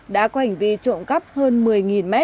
đã có hành vi trộm cắp hơn một mươi m